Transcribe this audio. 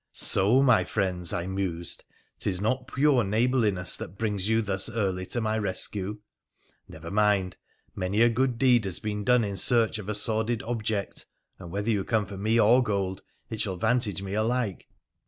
So, my friends, I mused, 'tis not pure neighbourliness that brings you thus early to my rescue ! Never mind ; many a good deed has been done in search of a sordid object, and whether you come for me or gold, it shall vantage me alike.